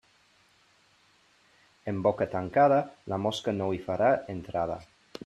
En boca tancada, la mosca no hi farà entrada.